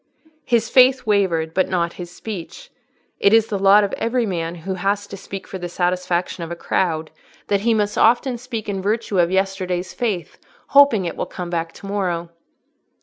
His faith wavered, but not his speech: it is the lot of every man who has to speak for the satisfaction of the crowd, that he must often speak in virtue of yesterday's faith, hoping it will come back to morrow.